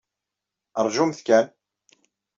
Ṛjumt kan.